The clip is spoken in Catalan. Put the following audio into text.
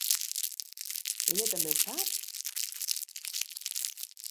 Ella també ho sap!